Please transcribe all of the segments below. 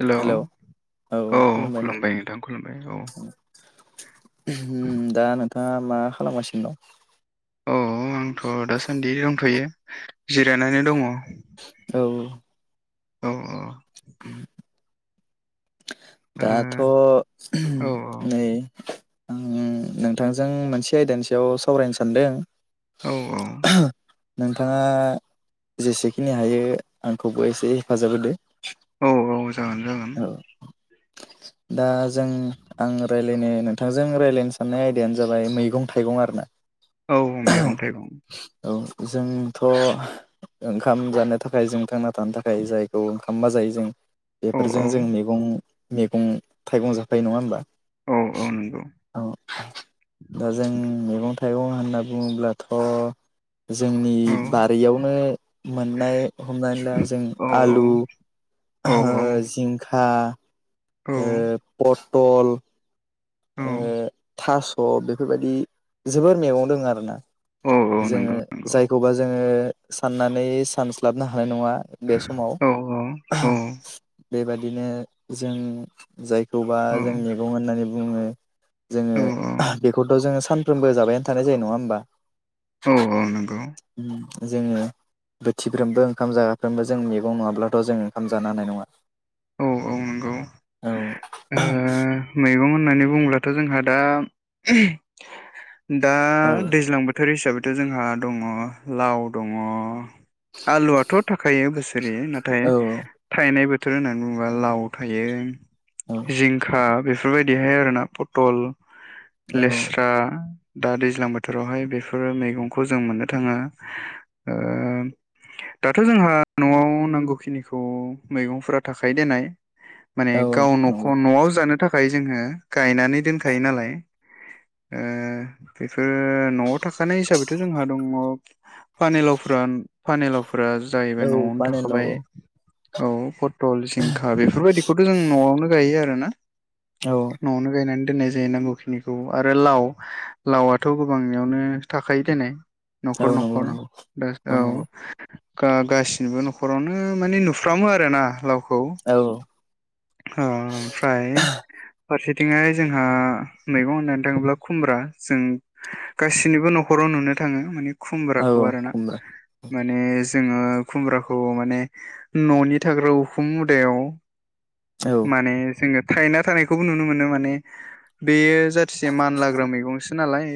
Hello hello औ औ खुलुमबाय नोंथां खुलुमबाय औ उम दा नोंथांङा मा खालामगासिनो दं? औ आंथ' दासान्दि दंथ'यो जिरायनानै दङ। दं औ। औ अ। [inaudible] दाथ' औ नै आं नोंथांजों मोनसे आयदानि सायाव सावरायनो सानदों। औ औ। नोंथांङा जेसेखिनि हायो आंखौबो एसे हेफाजाब होदो। औ औ जागोन जागोन। औ दा जों आं राय लायनो नोंथांजों रायलायनो साननाय आयदायानो जाबाय मैगं थाइगं आरोना। औ मैगं थाइगं। औ जोंथ' ओंखाम जानो थाखाय जों थांना थानो थाखाय जायखौ ओंखामबा जायो जों औ बेफोरजों औ जों मैगं मैगं थाइगं जाफायो नंङा होमबा? औ औ नंगौ औ दा जों मैगं थाइगं होनना बुङोब्लाथ' जोंनि औ बारियावनो मोननाय हमनानै ला जों औ आलु। ओ औ जिंखा औ ओ पटल ओ थास' बेफोरबायदि जोबोर मेगं दंङ आरोना औ औ जोंङो नंगौ नंगौ जायखौबा जोंङो साननानै सानस्लाबनो हानाय नंङा बे समाव औ औ बेबाय दिनो जों जायखौबा औ जों मैगं होननानै बुङो। जोंङो औ बेखौथ' जोंङो सानफ्रोमबो जाबायानो थानाय जायो नंङा होमबा? औ औ नंगौ। जोंङो बोथिफ्रोमबो ओंखाम जागाफ्रोमबो जों मैगं नंङाब्लाथ' जों ओंखाम जानो हानाय नङा। औ औ नंगौ औ। ओ मैगं होननानै बुंब्लाथ' जोंहा दा दा औ दैज्लां बोथोर हिसाबैथ' जोंहा दंङ लाव दंङ आलुआथ' थाखायो बोसोरै नाथाय औ थायनाय बो थोर होननानै बुंङोब्ला लाव औ थायो जिंखा बेफोरबायदिहाय आरोना पटल लेस्रा। दा दैज्लां बोथोरावहाय बेफोरो मैगंखौ जों मोननो थांङो दाथ' जोंहा न'आव नांगौखिनिखौ मैगंफोरा थाखायो देनाय। औ औ। न'ख' नंगौ न'आव जानो थाखाय जोंङो गायनानै दोनखायो नालाय। ओ बेफोरो न'आव थाखानाय हिसाबैथ' जोंहा दंङ पानिलाव फ्रान फानिलाव फ्रा जायैबाय औ न'आवनो पानिलाव थाखाबाय औ औ पथल जिंखा बेफोरबायदिखौथ' जों न'आवनो गायो आरो ना। न'आवनो गायनानै दोननाय जायो नांगौखिनिखौ आरो लाव लावआथ' गोबांयावनो थाखायो देनाय। औ न'खर नंगौ न'खर औ। नंगौ औ ओ नंगौ गासिनिबो न'खरावनो माने नुफ्रामो आरो ना लाव औ। ओ ओमफ्राय फारसेथिंहाय जोंहा मैगं होननानै थांङोब्ला खुमब्रा जों गासिनिबो न'खराव नुनो थाङो माने औ खुमब्राखौ आरोना खुमब्रा माने जोङो खुमब्राखौ माने न'नि थाग्रा उखुम मुदायाव औ माने जोङो थायना थानायखौबो नुनो मोनो माने बेयो जाथोसे मानलाग्रा मैगंसो नालाय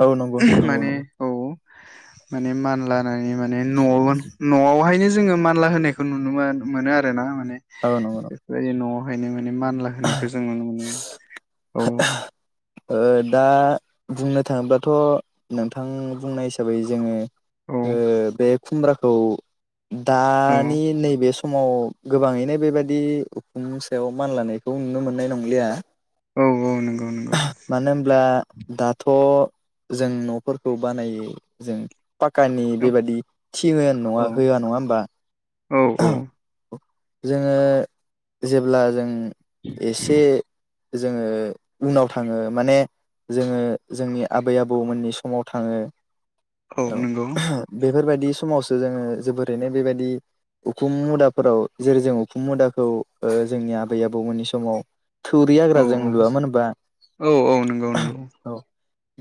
औ नंगौ नंगौ माने नंगौ औ [inaudible] माने मानलानानै माने न'आव न'आवहायनो जोङो मानला होनायखौ नुनो मोन मोनो आरो ना औ नंगौ नंगौ बेफोरबायदि न'हायनो मानला होनायखौ जों नुनो मोनो औ ओ दा बुंनो थाङोब्लाथ' नोंथां बुंनाय हिसाबै जोङो औ ओ बे खुमब्राखौ औ दानि नैबे स समाव गोबाङैनो बेबायदि उखुमनि सायाव मानलानायखौ नुनो मोननाय नंलिया औ औ नोंग मानो होमब्ला दाथ' जों न'फोरखौ बानायै जों पाक्कानि औ बेबादि थि ङोन नआ नङा औ होआ नङा होमबा औ औ जोङो जेब्ला जों एसे जोङो उनाव थाङो माने जोङो जोंनि आबै आबौमोननि समाव थाङो औ नंगौ बेफोरबायदि समावसो जोङो जोबोरैनो बेबायदि उखुम मुदाफोराव जेरै जों उखुम मुदाखौ ओ जोंनि आबै आबौमोननि समाव थुरि औ हाग्रा जों औ लुवामोन होनबा औ औ नंगौ नंगौ औ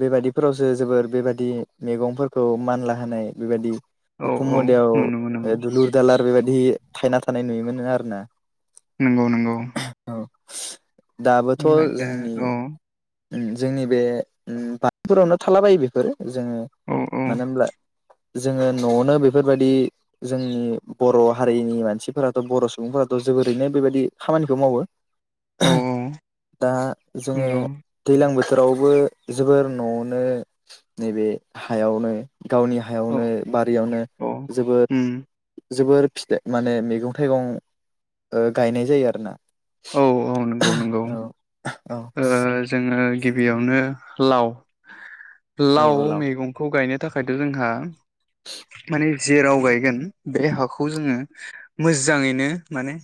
बेबादिफोरावसो जोबोर बेबादि मैगंफोरखौ मानला होनाय बेबायदि औ उखुम औ मुदायाव नुनो ओ मोनोमोन दुलुर दालार बेबायदि थायना थानाय नुयोमोन आरो ना नंगौ नंगौ दाबोथ' ओ दा जोंनि औ उम जोंनि बे उम बा [unintelligible] फोरावनो थालाबायो बेफोर जोङो औ औ मानो होमब्ला जोङो न'आवनो बेफोरबायदि जोंनि बर' हारिनि मानसिफोराथ' बर' सुबुंफोराथ' जोबोरैनो बेबायदि खामानिखौ मावो। औ दा जोङो नंगौ ज्लां बोथोरावबो जोबोर न'आवनो नैबे हायावनो गावनि औ हायावनो बारियावनो औ जोबोद उम जोबोर फिथआ माने मैगं थाइगं ओ गायनाय जायो आरोना औ औ नंगौ नंगौ औ औ ओ जोङो गिबियावनो लाव औ लाव औ मैगंखौ गायनो थाखायथ' जोंहा माने जेेराव गायगोन बे हाखौ जोङो मोजाङैनो माने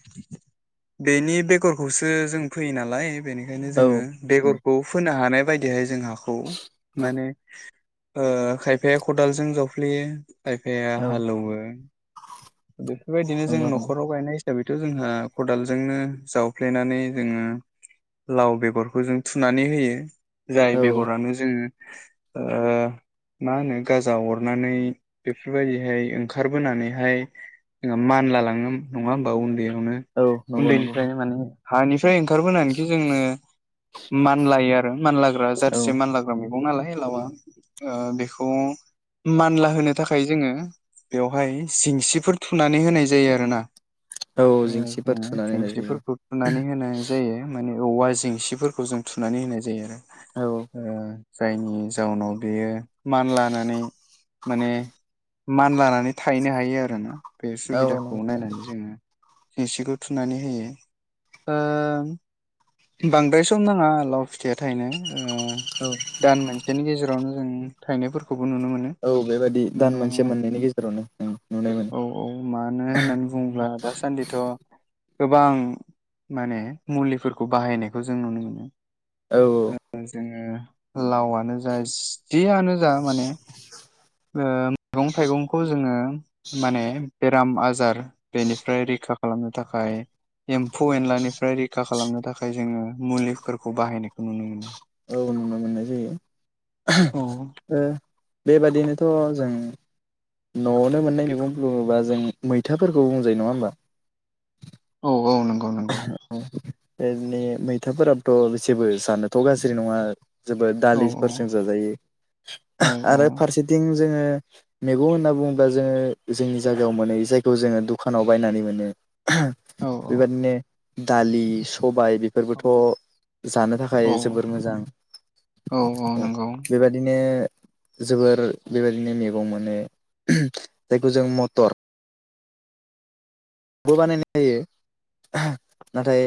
बेनि बेगरखौसो जों फैयो नालाय बेनिखायनो औ जोङो बेगरखौ फोनो हानाय बायदिहाय जों हाखौ माने ओ खायफाया खदालजों जावफ्लेयो। खायफाया हालौवो। बेफोरबायदिनो जों नंगौ नंगौ न'खराव गायनाय हिसाबैथ' जोंहा खदालजोंनो जाव फ्लेनानै जोङो लाव बेगरखौ जों थुनानै होयो। जाय औ बेगरानो जोङो ओ मा होनो गाजा अरनानै बेफोरबायदिहाय ओंखारबोनानैहाय जोंहा मानला लाङो नङा होमबा उन्दैयावनो औ नंगौ नंगौ उन्दैनिफ्रायनो माने हानिफ्राय ओंखारबोनानैखि जोंनो मानलायो आरो मानलाग्रा औ जाथिसे मानलाग्रा मैग गं नालाय लावआ। ओ बेखौ मानला होनो थाखाय जोङो बेवहाय जेंसिफोर थुनानै होनाय जायो आरोना। औ जेंसिफोर थुनानै होनाय सिस जायो थुनानै होनाय जायो माने औवा जेंसिफोरखौ जों थुनानै होनाय जायो आरो औ जायनि जाउनाव बेयो मान लानानै माने मान लानानै थाहैनो हायो आरोना बे औ सुबिदाखौ नायनानै जोङो जिसिखौ थुनानै होयो ओ बांद्राय सम नाङा लाव फिथया थायनो ओ औ दान मोनसेनि गेजेरावनो जों थाइनायफोरखौ औ बेबायादि दान मोनसे मोननैनि गेजेरावनो नुनो मोनो औ औ मानो होननानै बुङोब्ला दासान्दिथ' गोबां माने मुलिफोरखौ बाहायनायखौ जों नुनो मोनो औ जोङो ओ लावनो जा जियनो जा माने ओ मैगं थाइगंखौ जोङो माने राम आजार बेनिफ्राय रैखा खालामनो थाखाय एम फ एनलानिफ्राय रैखा खालामनो थाखाय जोङो मुलिफोरखौ बाहायनायखौ नुनो मोनो औ नुनो मोननाय औ जायो। बेबादिनोथ' जों न'आवनो मोननाय मैग बुङोबा जों मैथाफोरखौ बुंजायो नङा होमबा? औ औ नंगौ नंगौ बेनो मैथाफोराबोथ' बेसेबो सानोथ' गाज्रि नङा जोबोद औ औ दालिफोरजों जाजायो औ औ आरो फारसेथिं जोङो मैगं होन्ना बुङोबा जोङो जोंनि जायगायाव मोनै जायखौ जोङो दखानाव बायनानै मोनो औ बेबायनो दालि सबाय बेफोरबोथ' जानो थाखाय औ जोबोर मोजां औ औ नंगौ [inaudible] बेबायादिनो जोबोर बेबायदिनो मैगं मोनो जायखौ जों मटर [unintelligible] आह नाथाय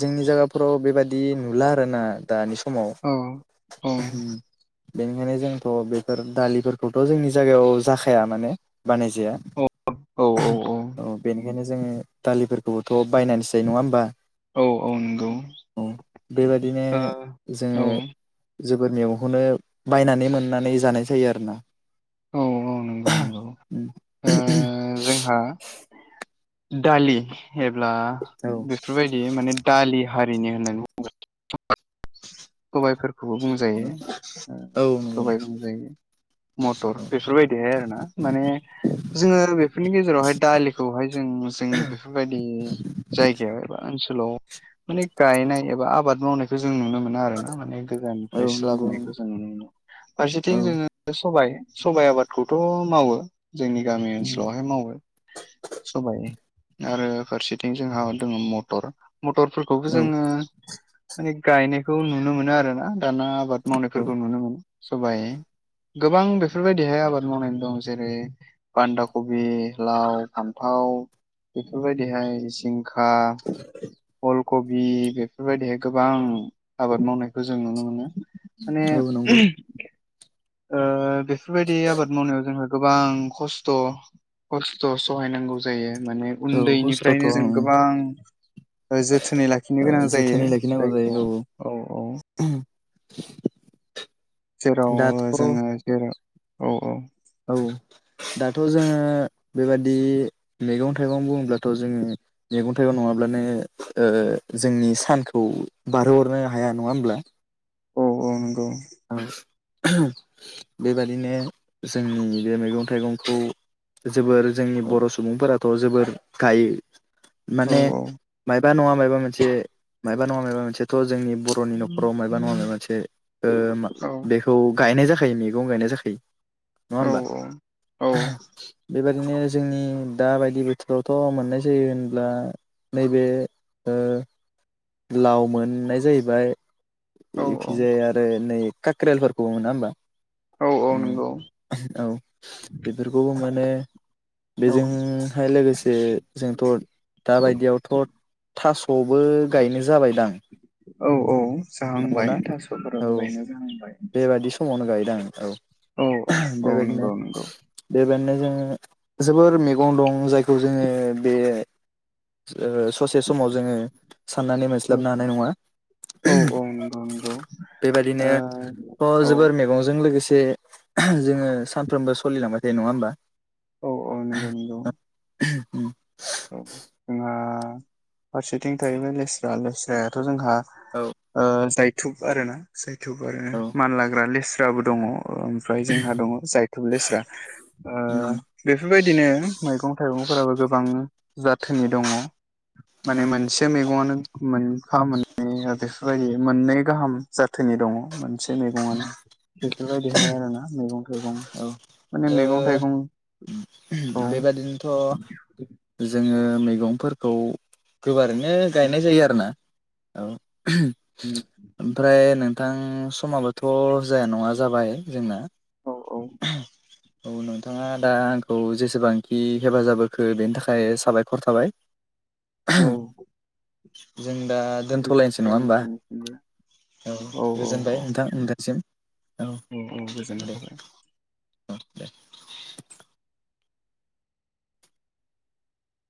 जोंनि जायगाफोराव बेबादि नुला आरोना दानि समाव औ औ समाव [inaudible] बेनिखायनो जोंथ' बेफोर दालिफोरखौथ' जोंनि जायगायाव जाखाया माने बानायजाया औ [inaudible] औ बेओंखायनो जोङो दालिफोरखौबोथ' बायनानैसायो नङा होमबा? औ औ नंगौ [inaudible] बेबायादिनो ओ जोङो औ जोबोर मेगखौनो बायनानै मोननानै जानाय जायो आरो ना औ औ नंगौ नंगौ ओ जोंहा दालि एब्ला बेफोरबायदि माने दालि हारिनि होननानै बुं सबायफोरखौबो बुंजायो औ सबाय बुंजायो मटर बेफोरबायदिहाय आरो ना माने जोङो बेफोरनि गेजेरावहाय दालिखौहाय जों [unintelligible] जोंनि बेफोरबायदि जायगायाव एबा ओ ओनसोलाव माने गायनाय एबा आबाद मावनायखौ जों नुनो मोनो आरो माने औ गोजाननिफ्रायसो नंगौ लाबोनायखौ जों नु मोनो फारसेथिं औ जोङो सबाइ सबाइ आबादखौथ' मावो जोंनि गामि ओनसोलावहाय मावो सबाइ आरो फारसेथिं जोंहा दङ मटर मटरफोरखौबो नंगौ जोङो माने गायनायखौ नुनो मोनो आरो ना दाना आबाद औ मावनायफोरखौ नुनो मोनो सबाइ गोबां बेफोरबायदिहाय आबाद मावनानै दं जेरै बान्दा कबि लाव फान्थाव [inaudible] बेफोरबायदिहाय जिंखा फुल कबि बेफोरबायदिहाय गोबां आबाद मावनायखौ जों नुनो मोनो माने औ नंगौ। ओ बेफोरबायदि आबाद मावनायाव जोंहा गोबां खस्थ' खस्थ' सहायनांगौ जायो माने औ खस्थ'थ' उन्दैनिफ्रायनो जों गोबां ओ जोथोनै लाखिनो गोनां जायो जोथोनै लाखिनांगौ जायखौ औ औ हिस जेराव जोङो जेराव औ औ औ दाथ' जोङो बेबादि मैगं-थाइगं बुङोब्लाथ' जोङो मैगं-थाइगं नङाब्लानो ओ जोंनि सानखौ बारहोहरनो हाया नङा होमब्ला औ औ नंगौ आं ओहोम बेबादिनो जोंनि बे मैगं-थाइगंखौ जोबोर जोंनि औ बर' सुबुंफोराथ' जोबोर गायो औ माने मायबा नङा मायबा मोनसे मायबा नङा माबा मोनसेथ' जोंनि बर'नि न'खराव मायबा नङा माबा मोनसे ओ मा औ बेखौ गायनाय जाखायो मैगं गायनाय जाखायो नङा औ होमबा बेबायदिनो जोंनि दा बायदि बोथोरावथ' मोननाय जायो होनब्ला नैबे ओ लाव मोननाय जाहैबाय औ जेखिजाया आरो नै काक्रियालफोरखौ मोना होमबा औ औ नंगौ उम औ बेफोरखौबो माने औ बेजोंहाय लोगोसे जोंथ' दाबायदियावथ' थास'बो गायनो जाबायदां औ औ जाहांबाय नंगौना थास'फोराबो गायनो जाहांबाय दां औ औ औ औ बेबायदिनो नंगौ नंगौ बेबायदिनो ओ जोबोर मैगं दं जायखौ जोङो बे ओ ससे समाव जोङो साननानै औ मोनस्लाबनो हानाय नङा औ औ नंगौ नंगौ बेबायदिनो ओ थ औ जोबोर मैगंजों लोगोसे जोङो सानफ्रोमबो सलिलांबाय थायो नङा होमबा औ औ नंगौ नंगौ उम औ जोंहा फारसेथिं थाहैबाय लेस्रा लेस्रायाथ' जोंहा औ ओ जायथुब आरोना जायथुब आरो औ मानलाग्रा लेस्राबो दङ ओमफ्राय जोंहा दङ जायथुब लेस्रा ओ उम बेफोरबायदिनो मैगं-थाइगं फोराबो गोबां जाथोनि दङ माने मोनसे मेगं खौनो मोनफा मोननैया बेफोरबादि मोननै गाहाम जाथोनि दङ मोनसे मैगंआनो बेफोरबायदिहाय आरोना मैगं मेगं औ ओ माने मैगं-थाइगं बेबादिनोथ' जोङो मैगंफोरखौ गोबारैनो गायनाय जायो आरोना औ ओमफ्राय नोंथां समाबोथ' जाया नङा जाबाय जोंना औ औ औ नोंथाङा दा आंखौ जेसेबां खि हेफाजाब होखो बेनि थाखाय साबायखर थाबाय औ जों दा औ दोनथ'लायनोसै नङा होमबा नोंथांनिसिमबो औ औ गोजोनबाय नोंथां नोंथांसिम औ औ गोजोननाय दे थाबाय ओम दे